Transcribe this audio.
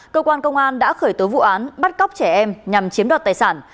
công an đã khởi tố vụ án bắt cóc trẻ em nhằm chiếm đọt tài sản